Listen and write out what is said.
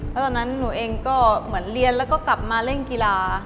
แล้วตอนนั้นหนูเองก็เหมือนเรียนแล้วก็กลับมาเล่นกีฬา